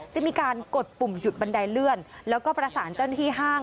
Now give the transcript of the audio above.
จะมีการกดปุ่มหยุดบันไดเลื่อนแล้วก็ประสานเจ้าหน้าที่ห้าง